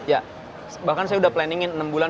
ya bahkan saya sudah planning in enam bulan